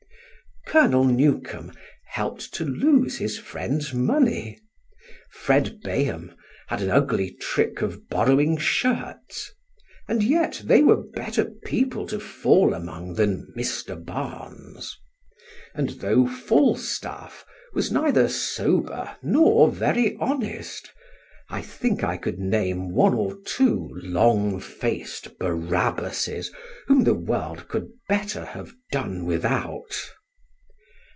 Colonel Newcome helped to lose his friend's money; Fred Bayham had an ugly trick of borrowing shirts; and yet they were better people to fall among than Mr. Barnes. And though Falstaff was neither sober nor very honest, I think I could name one or two long faced Barabbases whom the world could better have done without.